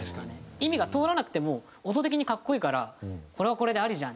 意味が通らなくても音的に格好いいからこれはこれでありじゃん。